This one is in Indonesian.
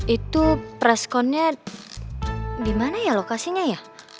itu presscon nya dimana ya lokasinya ya